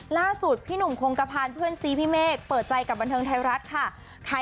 ล่าสุดพี่หนุ่มคงกระพานเพื่อนซีพี่เมฆเปิดใจกับบันเทิงไทยรัฐค่ะ